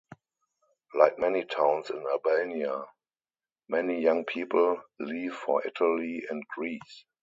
Like many towns in Albania many young people leave for Italy and Greece.